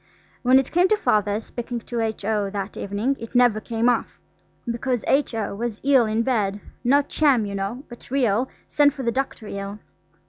When it came to Father's speaking to H.O. that evening it never came off, because H.O. was ill in bed, not sham, you know, but real, send for the doctor ill.